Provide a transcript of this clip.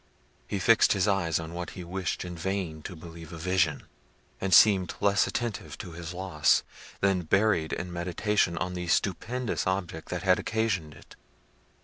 He fixed his eyes on what he wished in vain to believe a vision; and seemed less attentive to his loss, than buried in meditation on the stupendous object that had occasioned it.